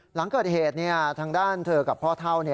หลังเกิดเหตุทางด้านเธอกับพ่อเท่า